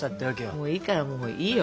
もういいからもういいよ。